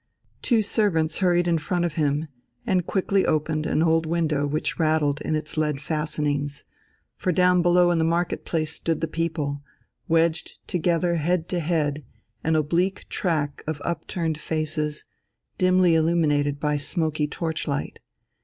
Two servants hurried in front of him and quickly opened an old window which rattled in its lead fastenings; for down below in the market place stood the people, wedged together head to head, an oblique tract of upturned faces, dimly illuminated by smoky torchlight.